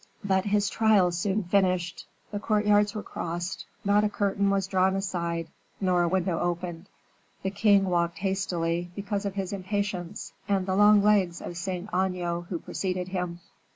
But his trial soon finished, the courtyards were crossed; not a curtain was drawn aside, nor a window opened. The king walked hastily, because of his impatience, and the long legs of Saint Aignan, who preceded him.